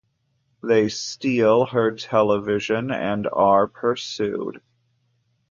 They steal her television and are pursued.